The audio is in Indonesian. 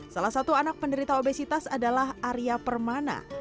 salah satu anak penderita obesitas adalah arya permana